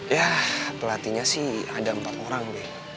ya pelatihnya sih ada empat orang deh